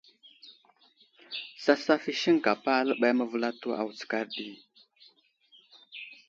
Sasaf i siŋkapa aləɓay məvəlato a wutskar ɗi.